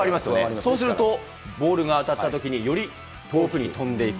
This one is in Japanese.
そうすると、ボールが当たったときにより遠くに飛んでいく。